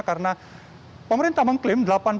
karena pemerintah mengklaim